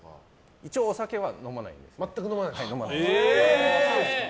一応、全くお酒は飲まないです。